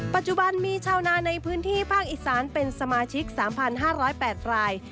ปัจจุบันมีชาวนาในพื้นที่ภาคอีสานเป็นสมาชิก๓๕๐๘ราย